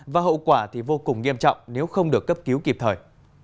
và hậu quả thì vô cùng nghiêm trọng nếu không được cấp cứu kịp thời